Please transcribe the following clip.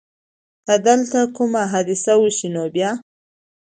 که دلته کومه حادثه وشي نو بیا؟